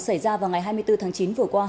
xảy ra vào ngày hai mươi bốn tháng chín vừa qua